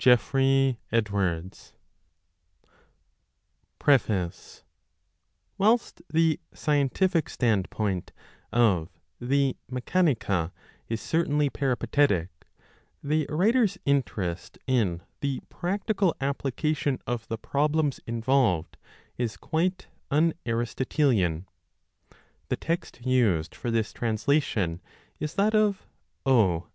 S. FORSTER OXFORD AT THE CLARENDON PRESS 1913 PREFACE WHILST the scientific standpoint of the Mechanica is certainly Peripatetic, the writer s interest in the practical application of the problems involved is quite un Aristo telian. The text used for this translation is that of O.